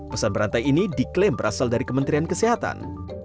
pesan berantai ini diklaim berasal dari kementerian kesehatan